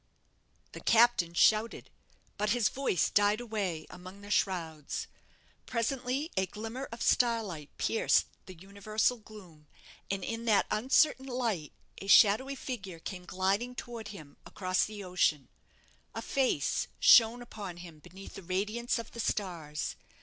The captain shouted, but his voice died away among the shrouds. Presently a glimmer of star light pierced the universal gloom, and in that uncertain light a shadowy figure came gliding towards him across the ocean a face shone upon him beneath the radiance of the stars.